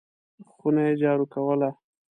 خونه یې جارو کوله !